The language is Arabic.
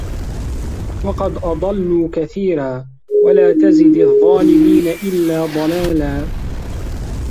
وَقَد أَضَلّوا كَثيرًا وَلا تَزِدِ الظّالِمينَ إِلّا ضَلالًا